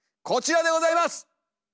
こちらでございます！